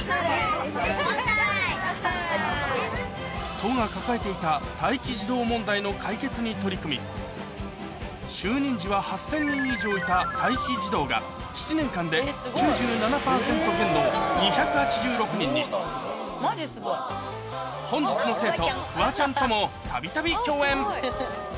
都が抱えていた待機児童問題の解決に取り組み就任時は８０００人以上いた待機児童が７年間で本日の生徒フワちゃんともたびたび共演